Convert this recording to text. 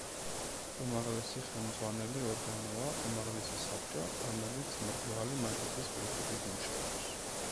უმაღლესი ხელმძღვანელი ორგანოა უმაღლესი საბჭო, რომელიც მრგვალი მაგიდის პრინციპით მუშაობს.